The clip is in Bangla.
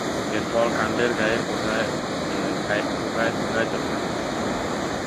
এর ফল কাণ্ডের গায়ে থোকায় থোকায় জন্মে।